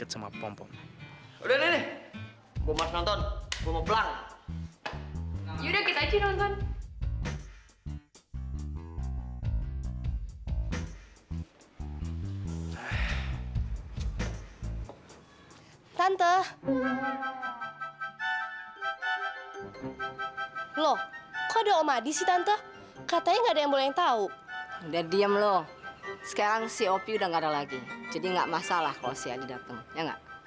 sampai jumpa di video selanjutnya